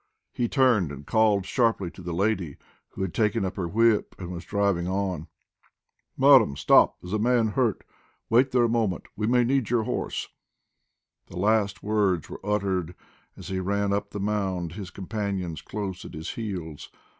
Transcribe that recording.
He turned and called sharply to the lady, who had taken up her whip and was driving on. "Madam, stop! There's a man hurt. Wait there a moment; we may need your horse." The last words were uttered as he ran up the mound, his companions close at his heels.